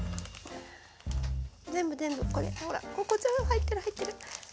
全部全部こうやってほらこっち入ってる入ってる。